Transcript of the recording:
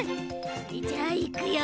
それじゃあいくよ。